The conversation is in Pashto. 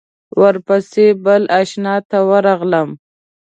ورپسې بل آشنا ته ورغلم.